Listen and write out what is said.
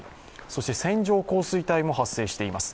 そして線状降水帯も発生しています。